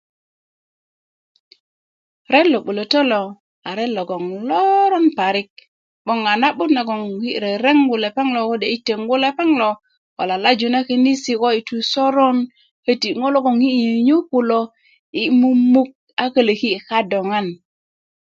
Ret lo 'bulötö a ret logon loroon parik 'boŋ a na'but nagon yi rerengu lepeŋ lo kode yi tengu lepeŋ lo ko lalaju na könin ko yi tu i sörön köti ŋo logon yi nyönyö kulo yi mumuk a kölöki i kadöŋan